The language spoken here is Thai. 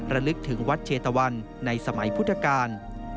ระลึกถึงวัดเชตะวันในสมัยพุทธกาล